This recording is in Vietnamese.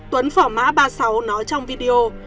tuấn phỏ má ba mươi sáu nói trong video